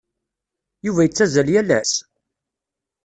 Yuba yettazzal yal ass?